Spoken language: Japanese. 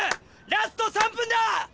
ラスト３分だ！